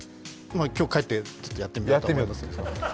今日帰ってやってみようと思います。